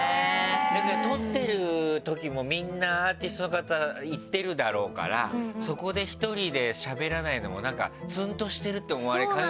なんか取ってるときもみんなアーティストの方行ってるだろうからそこで１人でしゃべらないのもツンとしてるって思われかねないもんね。